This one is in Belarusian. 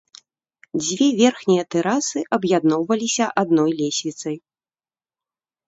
Дзве верхнія тэрасы аб'ядноўваліся адной лесвіцай.